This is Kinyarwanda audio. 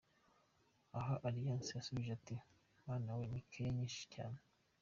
Aha Alliance yasubije ati: "mana we ni care nyinshi cyane.